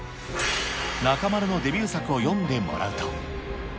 中丸のデビュー作を読んでもらうと。